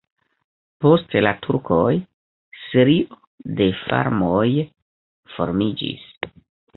Post la turkoj serio de farmoj formiĝis.